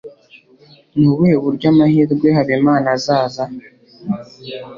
ni ubuhe buryo amahirwe habimana azaza